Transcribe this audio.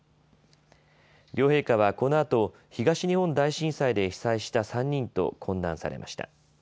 両陛下はこのあと東日本大震災で被災した３人と懇談されました。